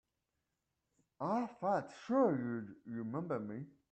I thought sure you'd remember me.